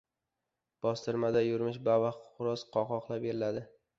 Bostirmada yurmish babaq xo‘roz qoqoqlab yerladi.